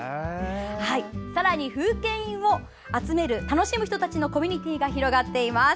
さらに、風景印を楽しむ人たちのコミュニティーが広がっています。